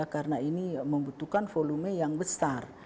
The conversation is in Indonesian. karena ini membutuhkan volume yang besar